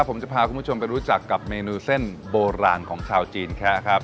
ผมจะพาคุณผู้ชมไปรู้จักกับเมนูเส้นโบราณของชาวจีนแคะครับ